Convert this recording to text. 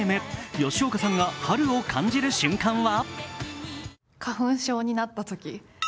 吉岡さんが春を感じる瞬間は？